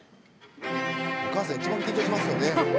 お母さん一番緊張しますよね。